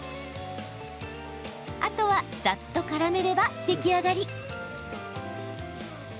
あとは、ざっとからめれば出来上がり。